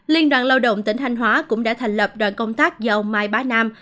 liên đoàn lao động tỉnh thanh hóa cũng đã thành lập đoàn công tác do ông mai bá nam